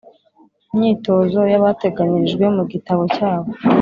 imyitozo yabateganyirijwe mu gitabo cyabo